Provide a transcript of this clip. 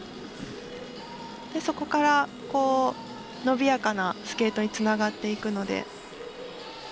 そこから、伸びやかなスケートにつながっていくので。